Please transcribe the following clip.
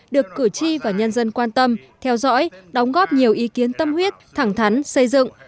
được cử tri và nhân dân quan tâm theo dõi đóng góp nhiều ý kiến tâm huyết thẳng thắn xây dựng